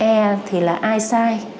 e thì là eye sight